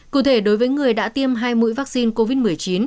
cụ thể đối với người đã tiêm hai mũi vaccine covid một mươi chín